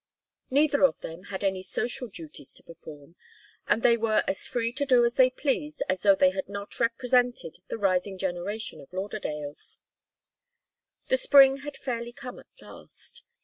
Neither of them had any social duties to perform, and they were as free to do as they pleased as though they had not represented the rising generation of Lauderdales. The spring had fairly come at last.